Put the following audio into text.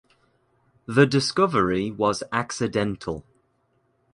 The discovery was accidental.